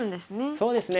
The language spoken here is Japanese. そうですね。